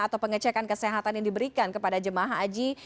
atau pengecekan kesehatan yang diberikan kepada jemaah haji